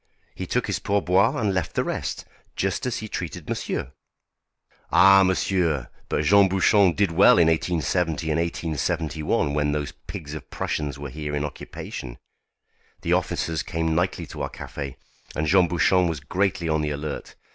He took his pourboire and left the rest, just as he treated monsieur. Ah! monsieur! but Jean Bouchon did well in 1870 and 1871 when those pigs of Prussians were here in occupation. The officers came nightly to our café, and Jean Bouchon was greatly on the alert.